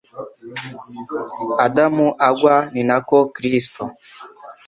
Adamu agwa, ni nako Kristo